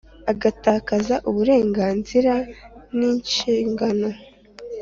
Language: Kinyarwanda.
Agatakaza uburenganzira n inshingano